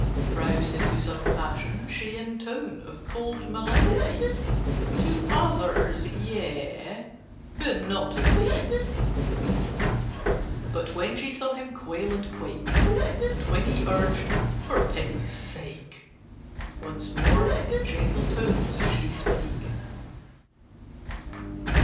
Roused into sudden passion, she In tone of cold malignity: "To others, yea: but not to thee." But when she saw him quail and quake, And when he urged "For pity's sake!" Once more in gentle tones she spake.